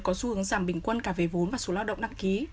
có xu hướng giảm bình quân cả về vốn và số lao động đăng ký